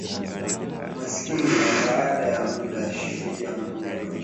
maskini na baada ya muda sheria mpya katika